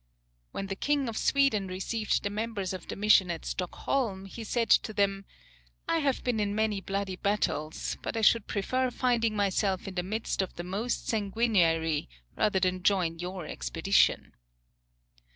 When the King of Sweden received the members of the mission at Stockholm, he said to them, "I have been in many bloody battles, but I should prefer finding myself in the midst of the most sanguinary, rather than join your expedition."